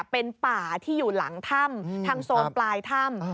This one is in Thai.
เป็นป่าที่อยู่หลังถ้ำทางโซนปลายถ้ำ